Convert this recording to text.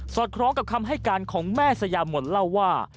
คล้องกับคำให้การของแม่สยามนเล่าว่า